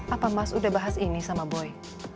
apa mas udah bahas ini sama boy